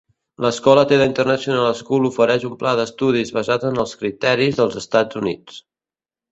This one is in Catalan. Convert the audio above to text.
L'escola Teda International School ofereix un pla d'estudis basat en els criteris dels Estats Units.